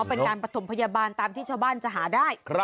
เป็นการประถมพยาบาลตามที่ชาวบ้านจะหาได้